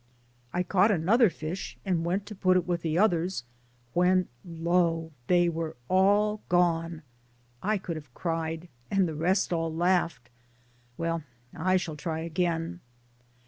I caught another fish and went to put it with the others, when lo, they were all gone. I could have cried, and the rest all laughed — well, I shall try again.